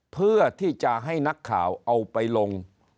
เพื่อที่จะให้นักข่าวเอาไปลง